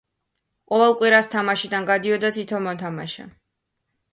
ყოველ კვირას თამაშიდან გადიოდა თითო მოთამაშე.